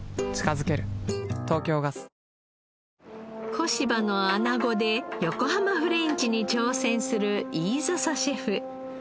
小柴のアナゴで横浜フレンチに挑戦する飯笹シェフ。